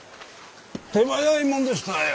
手早いもんでしたよ。